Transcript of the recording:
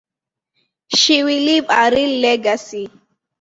She will leave a real legacy.